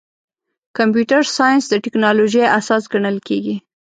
کمپیوټر ساینس د ټکنالوژۍ اساس ګڼل کېږي.